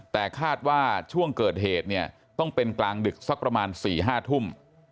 แต่คาดว่าช่วงเกิดเหตุเนี่ยต้องเป็นกลางดึกสักประมาณ๔๕ทุ่ม